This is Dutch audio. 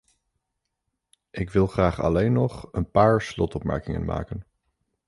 Ik wil graag alleen nog een paar slotopmerkingen maken.